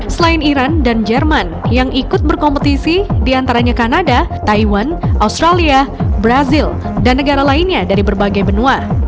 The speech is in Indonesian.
selain iran dan jerman yang ikut berkompetisi diantaranya kanada taiwan australia brazil dan negara lainnya dari berbagai benua